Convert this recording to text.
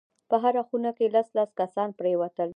په هره خونه کښې لس لس کسان پرېوتل.